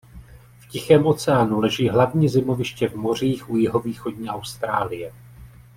V Tichém oceánu leží hlavní zimoviště v mořích u jihovýchodní Austrálie.